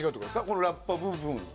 このラッパ部分が。